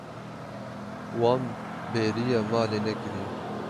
Wan bêriya malê nekiriye.